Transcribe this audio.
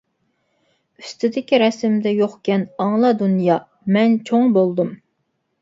ئۈستىدىكى رەسىمدە يوقكەن ئاڭلا دۇنيا، مەن چوڭ بولدۇم!